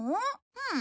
うん。